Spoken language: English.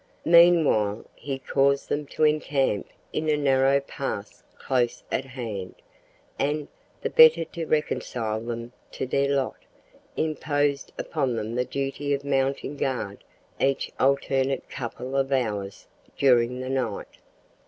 Meanwhile, he caused them to encamp in a narrow pass close at hand, and, the better to reconcile them to their lot, imposed upon them the duty of mounting guard each alternate couple of hours during the night.